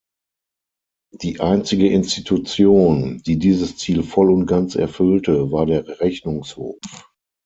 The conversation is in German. Die einzige Institution, die dieses Ziel voll und ganz erfüllte, war der Rechnungshof.